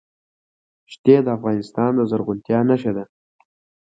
ښتې د افغانستان د زرغونتیا نښه ده.